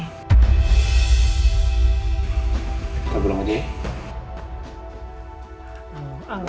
kita pulang aja ya